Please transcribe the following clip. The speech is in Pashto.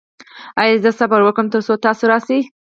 ایا زه صبر وکړم تر څو تاسو راشئ؟